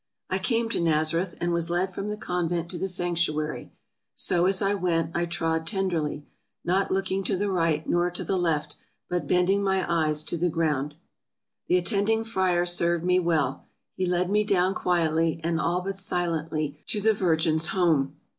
I came to Nazareth, and was led from the convent to the sanctuary. ... so as I went, I trod tenderly, not looking to the right nor to the left, but bending my eyes to the ground. The attending friar served me well — he led me down quietly, and all but silently, to the Virgin's home.